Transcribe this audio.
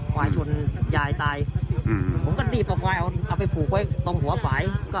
กวายชนยายตายผมก็รีบเอากวายเอาไปพูเพื่อเล็กตรงหัวฝ่าย